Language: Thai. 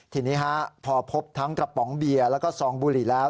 ทีนี้พอพบทั้งกระป๋องเบียร์แล้วก็ซองบุหรี่แล้ว